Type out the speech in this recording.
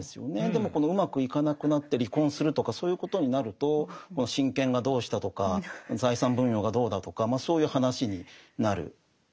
でもこのうまくいかなくなって離婚するとかそういうことになると親権がどうしたとか財産分与がどうだとかそういう話になる。